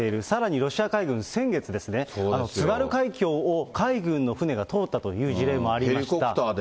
さらにロシア海軍、先月ですね、津軽海峡を海軍の船が通ったという事例もありました。